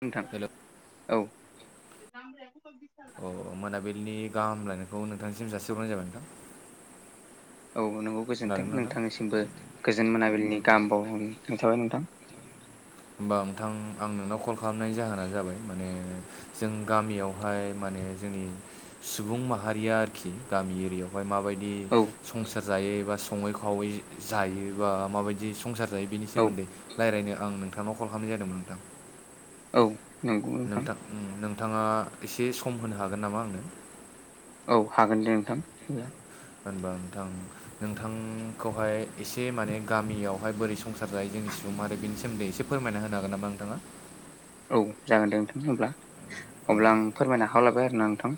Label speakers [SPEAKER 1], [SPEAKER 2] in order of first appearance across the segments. [SPEAKER 1] नोंथां
[SPEAKER 2] हेल'
[SPEAKER 1] औ।
[SPEAKER 2] अ मोनाबिलिनि गाहाम हामलायनायखौ नोंथांनिसिम जासिहरनाय जाबाय नोंथां।
[SPEAKER 1] औ नोंगौ
[SPEAKER 2] खोनादोंना
[SPEAKER 1] गोजोन्थों
[SPEAKER 2] नोंथां
[SPEAKER 1] नोंथांनिसिमबो गोजोन मोनाबिलिनि गाहाम बावनाय थाबाय नोंथां।
[SPEAKER 2] होमबा नोंथां आं नोंनाव कल खालामनायनि जाहोना जाबाय माने जों गामियावहाय माने जोंनि सुबुं माहारिया आरोखि गामि एरियावहाय माबाय दि
[SPEAKER 1] औ
[SPEAKER 2] संसार जायो बा सङै खावै जायो बा माबायदि संसार जायो बेनि
[SPEAKER 1] औ
[SPEAKER 2] सोमोन्दै रायलायनो आं नोंथांनाव कल खामनाय जादोंमोन नोंथां।
[SPEAKER 1] औ।
[SPEAKER 2] नोंथां नोंथाङा एसे सम होनो हागोन नामा आंनो?
[SPEAKER 1] औ हागोन दे नोंथां।
[SPEAKER 2] होनबा नोंथां नोंथांखौहाय एसे माने गामियावहाय बोरै संसार जायो जोंनि [unintelligible] आरो बेनि सोमोनदै एसे फोरमायना होनो हागोन नामा नोंथाङा?
[SPEAKER 1] औ जागोन दे नोंथां होमब्ला। अब्ला आं फोरमायनो हालाबाय आरोना नोंथां,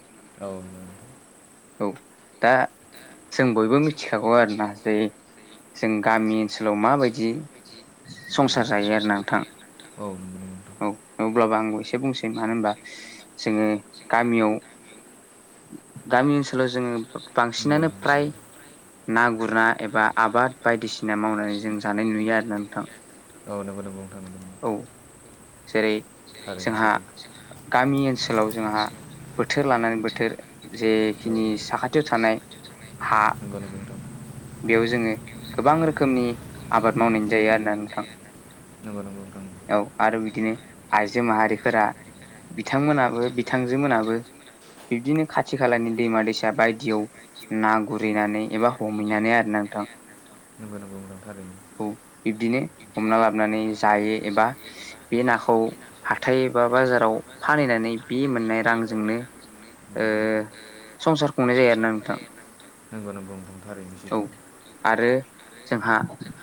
[SPEAKER 2] नोंथां औ अब्ला आं फोरमायना होलांखागोन
[SPEAKER 1] औ। दा जों बयबो मिथिखागौ आरोना जे जों गामि ओनसोलाव माबायदि संसार
[SPEAKER 2] औ
[SPEAKER 1] जायो आरोना नोंथां।
[SPEAKER 2] आरोना नोंथां औ नंगौ नोंथां
[SPEAKER 1] आं एसे बुंनोसै मानो होनबा जोङो गामियाव गामि ओनसोलाव जोङो बांसिनानो फ्राय ना गुरना एबा आबाद बायदिसि ना मावनानै जों जानाय नुयो आरो ना नोंथां
[SPEAKER 2] औ नोंगौ नोंगौ नोंथां नोंगौ।
[SPEAKER 1] औ जेरै जोंहा गामि ओनसोलाव जोंहा बोथोर लानानै बोथोर जेखिनि साखाथियाव थानाय हा
[SPEAKER 2] नोंगौ नोंगौ नोंथां
[SPEAKER 1] बेयाव जोङो गोबां रोखोम खोमनि आबाद मावनायनि जायो आरोना नोंथां
[SPEAKER 2] नंगौ नंगौ नोंथां
[SPEAKER 1] औ आरो बिदिनो आइजो माहारिफोरा बिथांमोनाबो बिथांजो मोनाबो बिब्दिनो खाथि खालानि दैमा दैसा बायदियाव ना गुरैनानै एबा हमहैनानै आरोना नोंथां
[SPEAKER 2] नोंगौ नोंगौ नोंथां थारैनो
[SPEAKER 1] औ बिब्दिनो हमना लाबानानै जायो एबा बे नाखौ हाथायबा बाजाराव फानहैनानै बे मोननाय रांजोंनो ओ संसार खुंनाय जायो आरोना नोंथां
[SPEAKER 2] नोंगौ नोंगौ नोंथां थारैनो
[SPEAKER 1] औ
[SPEAKER 2] सैथो
[SPEAKER 1] आरो जोंहा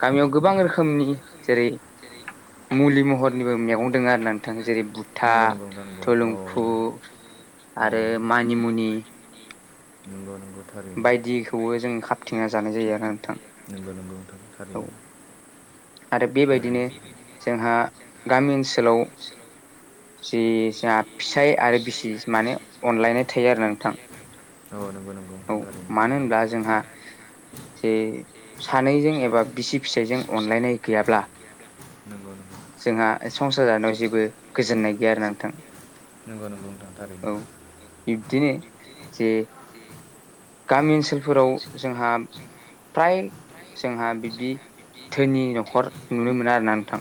[SPEAKER 1] गामियाव गोबां रोखोमनि जेरै मुलि महरनिबो मेगं दङ आरो नोंथां जेरै बुथा,
[SPEAKER 2] नंगौ नंगौ नोंथां नंगौ औ
[SPEAKER 1] थलुंफु
[SPEAKER 2] औ
[SPEAKER 1] आरो मानिमुनि,
[SPEAKER 2] नंगौ नंगौ। थारैनो
[SPEAKER 1] बायदिखौबो जों खाबथिंना जानाय जायो आरो नोंथां।
[SPEAKER 2] औ थारैनो
[SPEAKER 1] आरो
[SPEAKER 2] थारैनो
[SPEAKER 1] बेबायदिनो
[SPEAKER 2] सैथो
[SPEAKER 1] जोंहा गामि ओनसोलाव जि जा फिसाय आरो बिसि माने अनलायनाय थायो आरो नोंथां [unintelligible]
[SPEAKER 2] औ नोंगौ नों
[SPEAKER 1] औ मानो होनब्ला जोंहा जे सानैजों एबा बिसि फिसायजों अनलायनाय गैयाब्ला
[SPEAKER 2] नंगौ नंगौ
[SPEAKER 1] जोंहा संसार जानायाव जेबो गोजोननाय गैया आरोना नोंथां
[SPEAKER 2] नंगौ नंगौ थारैनो
[SPEAKER 1] औ बिब्दिनो जे गामि ओनसोलफोराव जोंहा फ्राय जोंहा बिब्दि धोनि न'खर नुनो मोना आरोना नोंथां।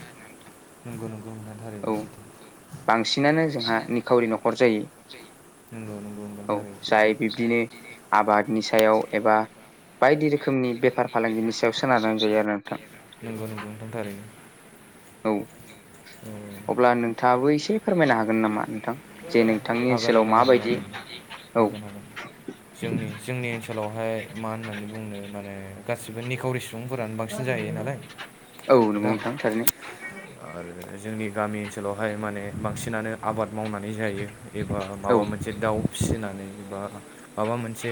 [SPEAKER 2] नंगौ नंगौ नोंथां‌ थारैनो
[SPEAKER 1] औ
[SPEAKER 2] सैथो
[SPEAKER 1] बांसिनानो जोंहा निखावरि न'खर जायो।
[SPEAKER 2] नंगौ नंगौ नोंथां
[SPEAKER 1] औ
[SPEAKER 2] थारैनो सैथो।
[SPEAKER 1] जाय बिब्दिनो आबादनि सायाव एबा बायदि रोखोमनि बेफार फालांगिनि सायाव सोनारनै जायो आरो नोंथां
[SPEAKER 2] नंगौ नंगौ नोंथा थारैनो
[SPEAKER 1] औ
[SPEAKER 2] औ औ।
[SPEAKER 1] अब्ला नोंथाङाबो एसे फोरमायनो हागोन नामा नोंथां? जे नोंथांनि
[SPEAKER 2] हागोन
[SPEAKER 1] ओनसोलाव
[SPEAKER 2] नोंथां हागोन
[SPEAKER 1] माबायदि
[SPEAKER 2] हागोन
[SPEAKER 1] औ
[SPEAKER 2] हागोन हागोन। जोंनि जोंनि ओनसोलावहाय मा होननानै बुंनो माने गासिबो निखावरि सुबुंफोरानो बांसिन जाहैयो नालाय
[SPEAKER 1] औ नोंगौ नोंथां थारैनो।
[SPEAKER 2] आरो जोंनि गामि ओनसोलावहाय माने बांसिनानो आबाद मावनानै जायो एबा
[SPEAKER 1] औ
[SPEAKER 2] माबा मोनसे दाउ फिसिनानै एबा माबा मोनसे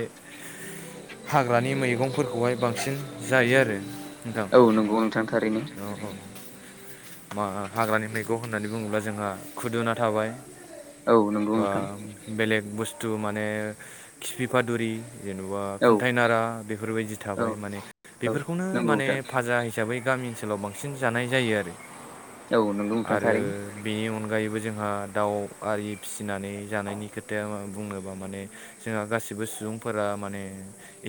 [SPEAKER 2] हा ग्रानि मैगंफोरखौहाय बांसिन जायो आरो नोंथां
[SPEAKER 1] औ नंगौ नोंथां थारैनो
[SPEAKER 2] औ औ मा हाग्रानि मैगं होननानै बुङोब्ला जोंहा खुदुना थाबाय
[SPEAKER 1] औ नंगौ
[SPEAKER 2] बा
[SPEAKER 1] नोंथां
[SPEAKER 2] बेलेग बुस्थु माने खिफिफादुरि जेनेबा
[SPEAKER 1] औ
[SPEAKER 2] खुन्थाइनारा बेफोरबायदि
[SPEAKER 1] औ
[SPEAKER 2] थाबाय माने
[SPEAKER 1] औ
[SPEAKER 2] बेफोरखौनो
[SPEAKER 1] नंगौ
[SPEAKER 2] माने
[SPEAKER 1] नोंथां
[SPEAKER 2] फाजा हिसाबै गामि ओनसोलाव बांसिन जानाय जायो आरो
[SPEAKER 1] औ नंगौ नोंथां
[SPEAKER 2] आरो
[SPEAKER 1] थारैनो
[SPEAKER 2] बेनि अनग गायैबो जोंहा दाउ आरि फि थिनानै जानायनि खोथाया बुङोबा माने जोंहा गासिबो सुबुंफोरा माने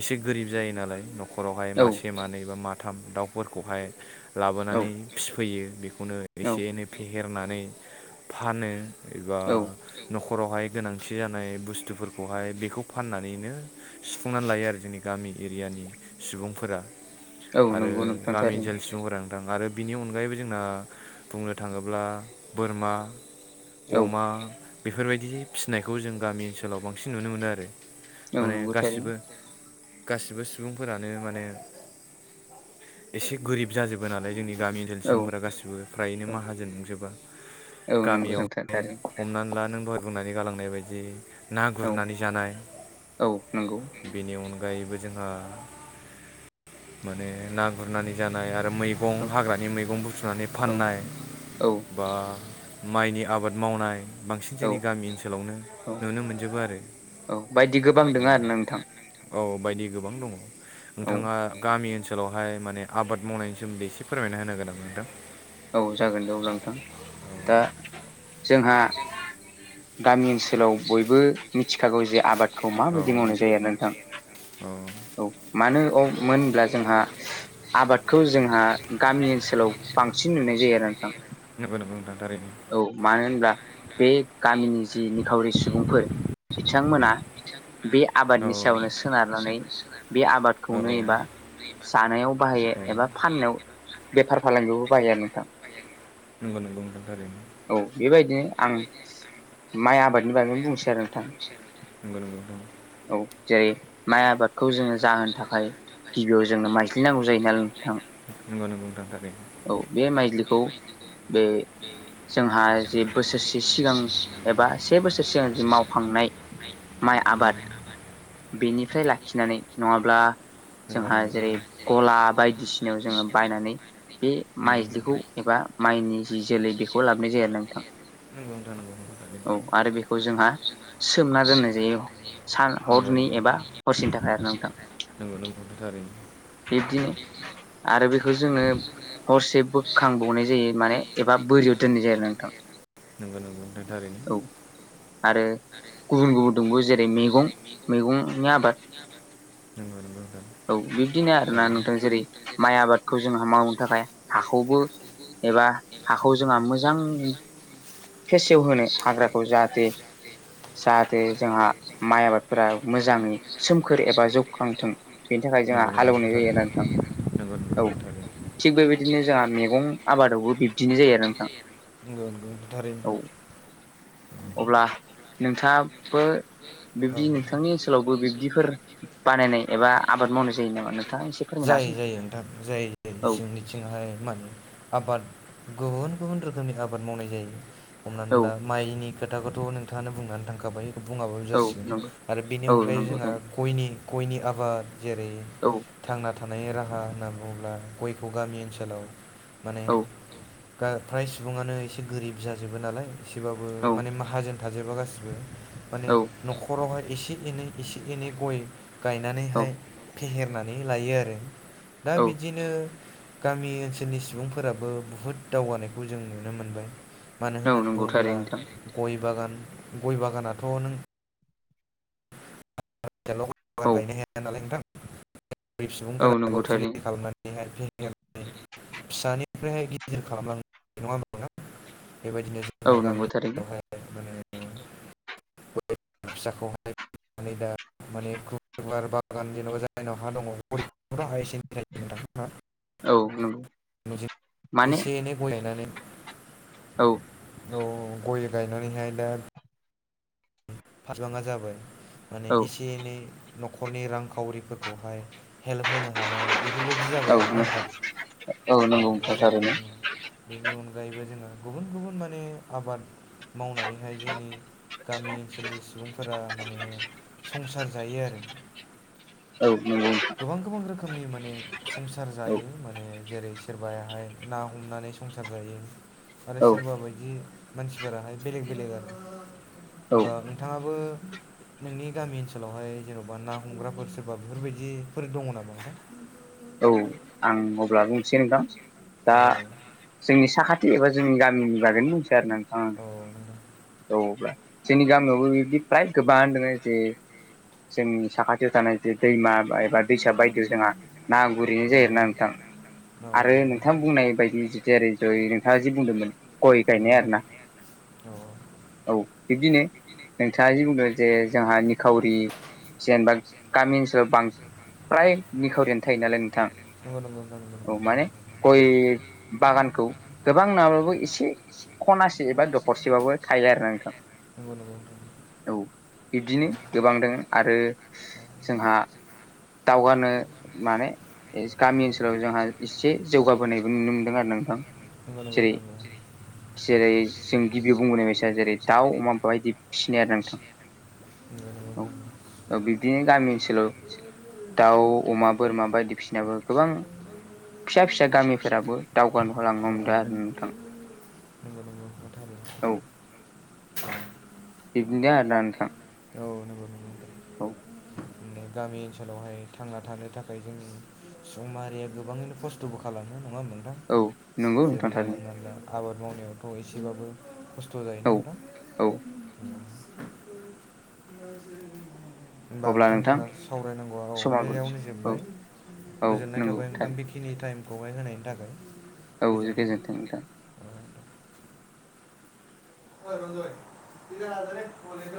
[SPEAKER 2] इसोर एसे गोरिब जायो नालाय नख'रावहाय
[SPEAKER 1] औ
[SPEAKER 2] मासे मानै बा माथाम दाउफोरखौहाय
[SPEAKER 1] औ
[SPEAKER 2] लाबोनानै फिफैयो। खौनो
[SPEAKER 1] औ
[SPEAKER 2] एसे एनै फेहेरनानै फानो एबा
[SPEAKER 1] औ
[SPEAKER 2] नख'रावहाय गोनांथि जानाय बुस्थुफोरखौहाय बेखौ फाननानैनो सुफुंनानै लायो आरो जोंनि गामि एरियानि सुबुंफोरा
[SPEAKER 1] औ
[SPEAKER 2] आरो
[SPEAKER 1] नंगौ नोंथां
[SPEAKER 2] गामि
[SPEAKER 1] थारैनो
[SPEAKER 2] ओनसोलनि सुबुंफोरा आरो बिनि अनगायैबो जोंना बुंनो थाङोब्ला बोरमा
[SPEAKER 1] औ
[SPEAKER 2] अमा बेफोरबायदि फिसिनायखौ जों गामि ओनसोलाव बांसिन नुनो मोनो आरो।
[SPEAKER 1] औ
[SPEAKER 2] माने
[SPEAKER 1] नंगौ थारैनो
[SPEAKER 2] गासिबो गासिबो सुबुंफोरानो माने एसे गोरिब जाजोबो नालाय जोंनि गामि ओनसोल
[SPEAKER 1] औ
[SPEAKER 2] सुबुंफोरा गासिबो फ्रायैनो
[SPEAKER 1] औ
[SPEAKER 2] माहाजोन नंजोबा।
[SPEAKER 1] औ नोंगौ
[SPEAKER 2] गामियाव
[SPEAKER 1] नोथां‌।
[SPEAKER 2] हमनानै ला नों दहाय बुंनानै गालांनाय बायदि ना
[SPEAKER 1] औ
[SPEAKER 2] गुरनानै जानाय
[SPEAKER 1] औ नंगौ
[SPEAKER 2] बेनि अनगायैबो जोंहा माने ना गुरनानै जानाय आरो मैगं
[SPEAKER 1] औ
[SPEAKER 2] हाग्रानि मैगं बुथुमनानै
[SPEAKER 1] औ
[SPEAKER 2] फाननाय
[SPEAKER 1] औ
[SPEAKER 2] बा माइनि आबाद मावनाय। बांसिन
[SPEAKER 1] औ
[SPEAKER 2] जोंनि गामि ओनसोलावनो
[SPEAKER 1] औ
[SPEAKER 2] नुनो मोनजोबो आरो।
[SPEAKER 1] औ बायदि गोबां दोङो आरोना नोंथां
[SPEAKER 2] औ बायदि गोबां दङ
[SPEAKER 1] औ
[SPEAKER 2] नोंथाङा गामि ओनसोलाव सोलावहाय माने आबाद मावनायनि सोमोन्दै एसे फोरमायना होनो हागोन नामा नोंथां?
[SPEAKER 1] औ जागोन दे अब्ला नोंथां दा
[SPEAKER 2] गामि ओनसोलाव
[SPEAKER 1] जोंहा गामि ओनसोलाव बयबो मिथिखागौ जे आबादखौ
[SPEAKER 2] औ
[SPEAKER 1] माबायदि मावनाय जायो आरो ना नोंथां।
[SPEAKER 2] औ
[SPEAKER 1] औ मानो औ मोनब्ला जोंहा आबादखौ जोंहा गामि ओनसोलाव बांसिन नुनाय जायो आरो नोंथां।
[SPEAKER 2] नंगौ नंगौ नोंथां थारैनो
[SPEAKER 1] औ मानो होनब्ला बे गामिनि जि निखावरि सुबुंफोर बिथांमोना बे
[SPEAKER 2] औ
[SPEAKER 1] आबादनि सायावनो सोनारनानै बे
[SPEAKER 2] औ
[SPEAKER 1] आबादखौनो एबा जानायाव बाहायो। ए-एबा फाननायाव बेफार फालांगियावबो बाहायो आरो नोंथां।
[SPEAKER 2] नंगौ नंगौ नोंथां थारैनो।
[SPEAKER 1] औ बेबायदिनो आं माइ आबादनि बागैनो बुंनिसै आरो नोंथां।
[SPEAKER 2] नंगौ नंगौ नोंथां
[SPEAKER 1] औ जेरै माइ आबादखौ जोङो जाहोनो थाखाय गिबियाव जोंनो माइज्लि नांगौ जायो नालाय नोंथां।
[SPEAKER 2] नंगौ नंगौ नोंथां थारैनो
[SPEAKER 1] औ बे माइज्लिखौ बे
[SPEAKER 2] ए
[SPEAKER 1] जोंहा जे बोसोरसे सिगां एबा से बोसोर सिगां जि मावखांनाय माइ आबाद बेनिफ्राय लाखिनानै नङाब्ला
[SPEAKER 2] नंगौ
[SPEAKER 1] जोंहा
[SPEAKER 2] नंगौ नोंथां
[SPEAKER 1] जेरै गला बायदिसिनायाव जोङो बायनानै बे माइज्लिखौ एबा माइनि जि जोलै बेखौ लाबोनाय जायो आरो ना नोंथां।
[SPEAKER 2] आरो नंगौ नोंथां नंगौ नंगौ थारैनो
[SPEAKER 1] औ आरो बेखौ जोंहा सोमना दोननाय जायो। सान
[SPEAKER 2] नंगौ
[SPEAKER 1] हरनि एबा हरसेनि थाखाय आरो ना नोंथां।
[SPEAKER 2] नुनो [unintelligible]
[SPEAKER 1] बिब्दिनो आरो बेखौ जोङो हरसे बोखांबावनाय जायो माने एबा बोरियाव दोननाय जायो आरो ना नोंथां।
[SPEAKER 2] औ नोंथां थारैनो।
[SPEAKER 1] औ आरो गुबुन गुबुन दंबवो जेरै मेगं मैगंनि आबाद।
[SPEAKER 2] नंगौ नंगौ नोंथां
[SPEAKER 1] [inaudible] औ बिब्दिनो आरो ना नोंथां जेरै माइ आबादखौ जोंहा मावनो थाखाय हाखौबो एबा हाखौ जोंहा मोजां फेसेवहोनो हाग्राखौ जाहाथे जाहाथे जोंहा माइ आबादफोरा मोजाङै सोमखोर एबा जौखांथों बे नि थाखाय जोंहा हालेवनाय जायो आरोना नोंथां।
[SPEAKER 2] नंगौ नंगौ
[SPEAKER 1] औ
[SPEAKER 2] नोंथां थारैनो
[SPEAKER 1] थिग बेबायदिनो जोंहा मेगं आबादावबो बिब्दिनो जायो आरो नोंथां
[SPEAKER 2] नोंगौ नोंगौ थारैनो।
[SPEAKER 1] औ अब्ला नोंथाङाबो
[SPEAKER 2] औ
[SPEAKER 1] बिब्दि
[SPEAKER 2] औ
[SPEAKER 1] नोंथांनि ओनसोलावबो बिब्दिफोर बानायनाय एबा आबाद मावनाय जायो नामा नों
[SPEAKER 2] जायो जायो नोंथां जायो।
[SPEAKER 1] औ
[SPEAKER 2] जोंनिथिंहाय माने आबाद गुबुन गुबुन रो खोमनि आबाद मावनाय जायो। हमनानै
[SPEAKER 1] औ
[SPEAKER 2] ला माइनि खोथाखौथ' नोंथाङानो बुंनानै थांखाबाय। बुङाबाबो
[SPEAKER 1] औ
[SPEAKER 2] जासिगोन
[SPEAKER 1] नंगौ
[SPEAKER 2] आरो बेनि
[SPEAKER 1] औ
[SPEAKER 2] अनगायै
[SPEAKER 1] नंगौ
[SPEAKER 2] जोंहा गयनि गयनि आबाद जेरै
[SPEAKER 1] औ
[SPEAKER 2] थांना थानायनि राहा होनना बुङोब्ला गयखौ गामि ओनसोलाव माने
[SPEAKER 1] औ
[SPEAKER 2] दा फ्राय सुबुङानो एसे गोरिब जाजोबो नालाय एसेबाबो माने माहाजोन थाजोबा गासैबो। माने
[SPEAKER 1] औ
[SPEAKER 2] न'खरावहाय एसे एनै एसे एनै गय
[SPEAKER 1] औ
[SPEAKER 2] गायनानैहाय फेहेरनानै लायो आरो दा
[SPEAKER 1] औ
[SPEAKER 2] बिदिनो गामि ओनसोलनि सुबुंफोराबो बुहुत दावगानायखौ जों नुनो मोनबाय। मानो
[SPEAKER 1] औ
[SPEAKER 2] होननानै
[SPEAKER 1] नंगौ
[SPEAKER 2] बुङोब्ला
[SPEAKER 1] थारैनो नोंथां
[SPEAKER 2] गय बागान गय बागानाथ' नों [unintelligible] गायनो
[SPEAKER 1] औ
[SPEAKER 2] हाया नालाय नोंथां। बै
[SPEAKER 1] औ
[SPEAKER 2] सुबुंफोराबो
[SPEAKER 1] नंगौ
[SPEAKER 2] फुलि
[SPEAKER 1] थारैनो
[SPEAKER 2] खालामनानैहाय [unintelligible] फिसानिफ्रायहाय गिदिर खालामलां नङा होनबा नोंथां। बेबायदिनो
[SPEAKER 1] औ
[SPEAKER 2] जोंहा
[SPEAKER 1] नंगौ थारैनो
[SPEAKER 2] गामियावहाय माने गय फिसाखौ माने दा माने गुवार बागान जेनोबा जायनाव हा दङ गरिब
[SPEAKER 1] औ नंगौ
[SPEAKER 2] [unintelligible] [unintelligible]
[SPEAKER 1] माने
[SPEAKER 2] एसे एनै गय गायनानै
[SPEAKER 1] औ
[SPEAKER 2] औ औ गय गायनानैहाय दा फारलाङा जाबाय माने
[SPEAKER 1] औ
[SPEAKER 2] एसे एनै न'खरनि रांखावरिफोरखौहाय हेल्प होनो हानाय बेफोरबायदि जाबाय
[SPEAKER 1] औ
[SPEAKER 2] आरोना नोंथां
[SPEAKER 1] नंगौ
[SPEAKER 2] आरो
[SPEAKER 1] नोंथां
[SPEAKER 2] जों
[SPEAKER 1] थारैनो
[SPEAKER 2] बेनि अनगायैबो जोङो गुबुन गुबुन माने आबाद मावनानैहाय जोंनि गामि ओनसोलनि सुबुंफोरा माने संसार जायो आरो
[SPEAKER 1] औ नंगौ
[SPEAKER 2] खोमनि माने संसार जायो माने जेरै सोरबायाहाय ना हमनानै संसार जायो आरो
[SPEAKER 1] औ
[SPEAKER 2] सोरबा बायदि मानसिफोराहाय बेलेग बेलेग आरो
[SPEAKER 1] औ
[SPEAKER 2] होमबा नोंथाङाबो
[SPEAKER 1] [inaudible]
[SPEAKER 2] नोंनि गामि ओनसोलावहाय जेन'बा ना हमग्राफोर सोरबा बेफोरबायदिफोर दङ नामा नोंथां
[SPEAKER 1] औ आं अब्ला बुंनोसै नोंथां दा
[SPEAKER 2] औ
[SPEAKER 1] जोंनि साखाथि एबा जोंनि गामिनि गागायनो मिन्थिया आरोना नोंथां
[SPEAKER 2] नोंथां
[SPEAKER 1] औ अब्ला जोंनि गामियावबो बिब्दि फ्राय गोबां दङ जे जोंनि साखाथियाव थानाय जे दैमा एबा दैसा बायदियाव जोंहा ना गुरैनाय जायोना नोंथां
[SPEAKER 2] औ
[SPEAKER 1] आरो नोंथां बुंनाय बायदि जेरै दै नोंथाङा जि बुंदोंमोन गय गायनाय आरोना
[SPEAKER 2] नोंथां औ
[SPEAKER 1] औ बिब्दिनो नोंथाङा जि बुंदों जे जोंहा निखावरि जेनबा गामि ओनसोलाव बांद्राय निखावरिआनो थायो नालाय नोंथां
[SPEAKER 2] नंगो नंगो नोंथां नंगो
[SPEAKER 1] औ माने गय बागानखौ गोबां नाङाबाबो एसे खनासे एबा दखरसेबाबो थायो आरोना नोंथां
[SPEAKER 2] नंगौ नंगौ नंगौ नोंथां
[SPEAKER 1] औ बिब्दिनो गोबां दङो आरो जोंहा दावगानो माने गामि ओनसोलाव जोंहा एसे जौगाबोनायबो नुनो मोनदों आरो नोंथां
[SPEAKER 2] नंगौ नंगौ नोंथां
[SPEAKER 1] जेरै-जेरै जों गिबियाव बुंबोनाय बायसा जेरै- दाउ अमा बाय दि फिसिनाय आरो नोंथां। औ, ओ बिदिनो गामि ओनसोलाव, दाउ, अमा, बोरमा बायदि फिनाबो गोबां, फिसा-फिसा गामिफोराबो दावगानो होलांनो हमदों आरो नोंथां।
[SPEAKER 2] नंगौ नंगौ नंगौ नोंथां औ नंगौ थारैनो
[SPEAKER 1] औ, बिदिनो आरोना नोंथां
[SPEAKER 2] औ
[SPEAKER 1] औ।
[SPEAKER 2] नों गामि ओनसोलावहाय, थांना थानो थाखाय जों, सुबुं माहारिया गोबाङैनो खस्थ'बो खालामो। नङा होमबा नोंथां?
[SPEAKER 1] औ नंगौ नोंथां
[SPEAKER 2] जेरै-
[SPEAKER 1] थारैनो
[SPEAKER 2] हमना ला, आबाद मावनायावथ' एसेबाबो- खस्थ' जायोना
[SPEAKER 1] औ
[SPEAKER 2] नोंथां
[SPEAKER 1] औ
[SPEAKER 2] होनोमबा नोंथां जोंना सावरायनांगौ औ
[SPEAKER 1] समाबो
[SPEAKER 2] बेयावनो जोबबाय।
[SPEAKER 1] औ औ
[SPEAKER 2] गोजोन्नाय
[SPEAKER 1] नंगौ
[SPEAKER 2] थाबाय नोंथां,
[SPEAKER 1] थार
[SPEAKER 2] बेखिनि टाइम, गबाय होनायनि थाखाय,
[SPEAKER 1] औ
[SPEAKER 2] गोजोन्थों,
[SPEAKER 1] नोंथां
[SPEAKER 2] ओ- [unintelligible]